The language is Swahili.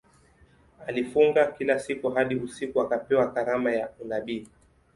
Alifunga kila siku hadi usiku akapewa karama ya unabii.